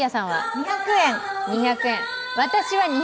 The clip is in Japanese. ２００円。